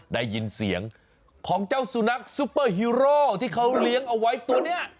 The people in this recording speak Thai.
ได้ยินเสียงของเจ้าสุนัขซุปเปอร์ฮีโร่ที่เขาเลี้ยงเอาไว้ตัวนี้